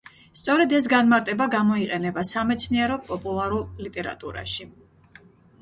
სწორედ ეს განმარტება გამოიყენება სამეცნიერო-პოპულარულ ლიტერატურაში.